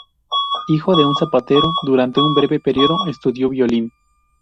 Hijo de un zapatero, durante un breve periodo estudió violín.